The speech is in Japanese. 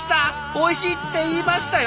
「おいしい」って言いましたよ！